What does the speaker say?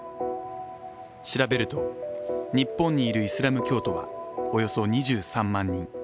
調べると、日本にいるイスラム教徒はおよそ２３万人。